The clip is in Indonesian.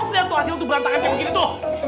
lihat tuh hasil tuh berantakan kayak begini tuh